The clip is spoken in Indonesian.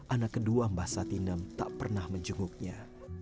anak kedua mbah satinem tak pernah menjunguknya